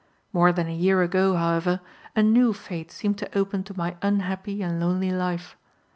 More than a year ago, however, a new fate seemed to open to my unhappy and lonely life.